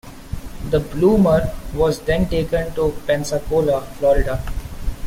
The "Bloomer" was then taken to Pensacola, Florida.